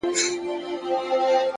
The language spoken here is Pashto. علم د پرمختګ لارې جوړوي!